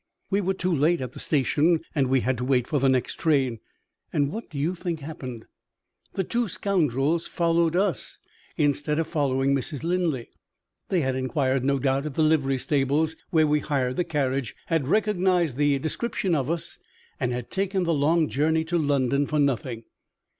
We were too late at the station, and we had to wait for the next train. And what do you think happened? The two scoundrels followed us instead of following Mrs. Linley! They had inquired no doubt at the livery stables where we hired the carriage had recognized the description of us and had taken the long journey to London for nothing.